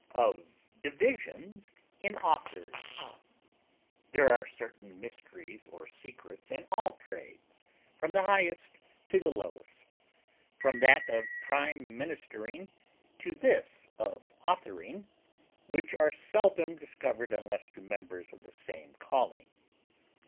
Of Divisions in Authors. There are certain mysteries or secrets in all trades, from the highest to the lowest, from that of prime ministering to this of authoring, which are seldom discovered unless to members of the same calling.